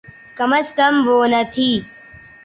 کم از کم وہ نہ تھی۔